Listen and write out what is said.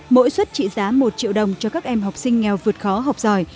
mỗi suất trị giá một triệu đồng cho các em học sinh nghèo vượt khó học giỏi